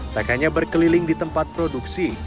tak hanya berkeliling di tempat produksi